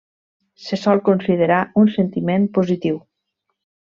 Se sol considerar un sentiment positiu.